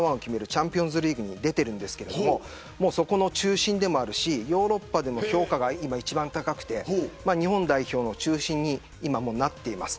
チャンピオンズリーグに出ていますがそこの中心でもあるしヨーロッパでも評価が一番高くて日本代表の中心にもう、なっています。